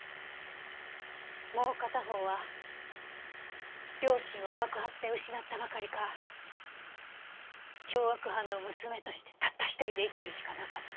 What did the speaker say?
もう片方は両親を爆発で失ったばかりか凶悪犯の娘としてたった一人で生きるしかなかった。